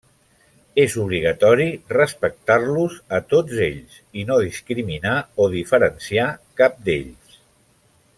És obligatori respectar-los a tots ells, i no discriminar o diferenciar cap d'ells.